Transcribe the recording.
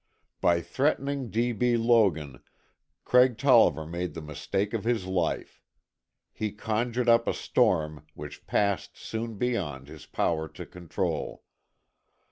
By threatening D. B. Logan, Craig Tolliver made the mistake of his life. He conjured up a storm which passed soon beyond his power to control.